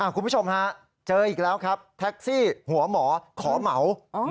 คุณผู้ชมฮะเจออีกแล้วครับแท็กซี่หัวหมอขอเหมา